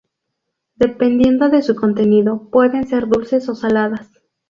Dependiendo de su contenido pueden ser dulces o saladas.